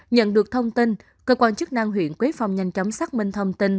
nhận được thông tin cơ quan chức năng huyện quế phong nhanh chóng xác minh thông tin